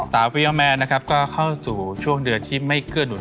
สาวปริมแมนนะครับก็เข้าสู่ช่วงเดือดที่ไม่เกือร์หนุน